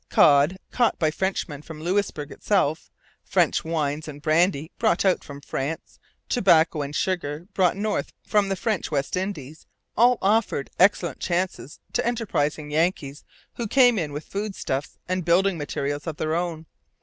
Cod caught by Frenchmen from Louisbourg itself, French wines and brandy brought out from France, tobacco and sugar brought north from the French West Indies, all offered excellent chances to enterprising Yankees, who came in with foodstuffs and building materials of their own.